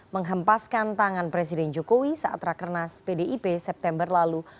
menghempaskan tangan presiden jokowi saat rakernas pdip september lalu